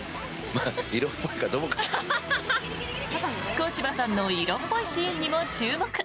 小芝さんの色っぽいシーンにも注目。